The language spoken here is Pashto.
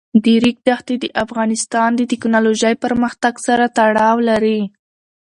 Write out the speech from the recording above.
د ریګ دښتې د افغانستان د تکنالوژۍ پرمختګ سره تړاو لري.